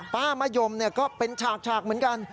มะยมก็เป็นฉากเหมือนกัน